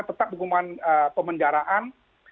tetap hukuman pemenjaraan